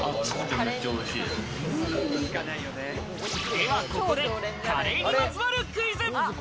では、ここでカレーにまつわるクイズ。